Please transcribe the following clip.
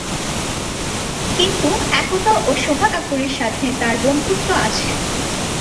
কিন্তু একতা ও শোভা কাপুরের সাথে তার বন্ধুত্ব আছে।